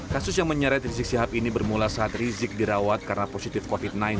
kasus yang menyeret rizik sihab ini bermula saat rizik dirawat karena positif covid sembilan belas